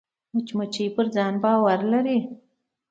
مچمچۍ پر ځان باور لري